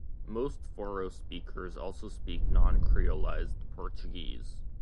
Most Forro speakers also speak non-creolised Portuguese.